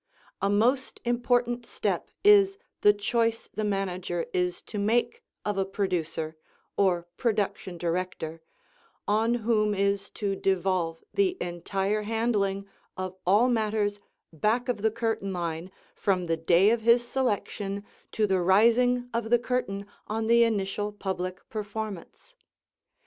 A most important step is the choice the manager is to make of a producer, or production director, on whom is to devolve the entire handling of all matters back of the curtain line from the day of his selection to the rising of the curtain on the initial public performance.